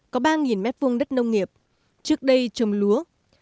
gia đình anh mã a cở có ba m hai đất nông nghiệp trước đây trồng lúa